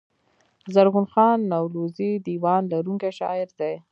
زرغون خان نورزى دېوان لرونکی شاعر دﺉ.